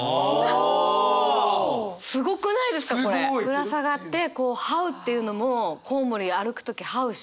ぶら下がってはうっていうのもコウモリ歩く時はうし。